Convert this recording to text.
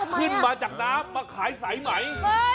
ขึ้นมาจากน้ำมาขายสายไหม